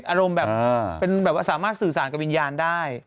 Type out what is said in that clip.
อารมณ์แบบเป็นแบบว่าสามารถสื่อสารกับวิญญาณได้